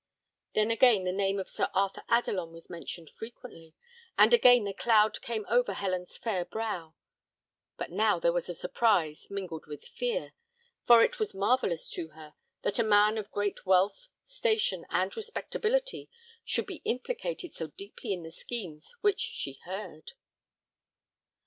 Then again the name of Sir Arthur Adelon was mentioned frequently, and again the cloud came over Helen's fair brow; but now there was surprise mingled with fear, for it was marvellous to her, that a man of great wealth, station, and respectability, should be implicated so deeply in the schemes which she heard.